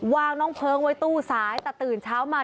น้องเพลิงไว้ตู้สายแต่ตื่นเช้ามา